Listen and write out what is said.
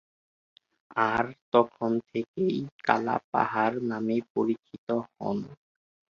আর তখন থেকেই কালাপাহাড় নামে পরিচিত হন।